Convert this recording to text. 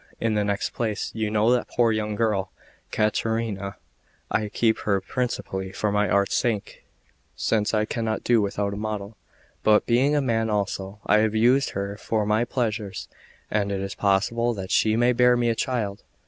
In the next place, you know that poor young girl, Caterina; I keep her principally for my art's sake, since I cannot do without a model; but being a man also, I have used her for my pleasures, and it is possible that she may bear me a child.